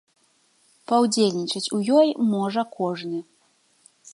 Паўдзельнічаць у ёй можа кожны.